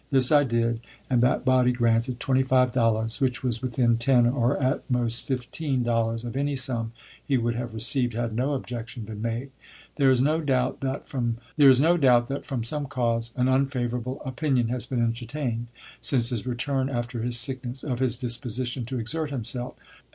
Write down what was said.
This I did, and that body granted twenty five dollars, which was within ten, or at most fifteen, dollars of any sum he would have received, had no objection been made. There is no doubt that, from some cause, an unfavorable opinion has been entertained, since his return after his sickness, of his disposition to exert himself.